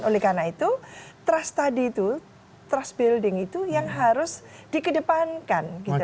oleh karena itu trust tadi itu trust building itu yang harus dikedepankan